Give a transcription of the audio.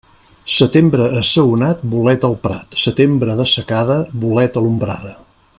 Setembre assaonat, bolet al prat, Setembre de secada, bolet a l'ombrada.